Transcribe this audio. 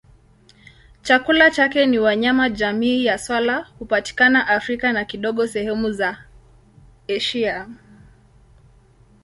Chakula chake ni wanyama jamii ya swala hupatikana Afrika na kidogo sehemu za Asia.